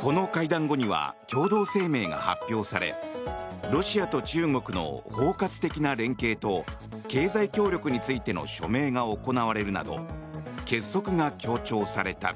この会談後には共同声明が発表されロシアと中国の包括的な連携と経済協力についての署名が行われるなど結束が強調された。